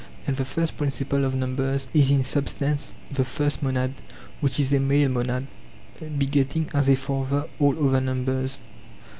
And the first principle of numbers is in substance the first monad, which is a male monad, begetting as a father all other numbers.